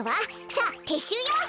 さあてっしゅうよ！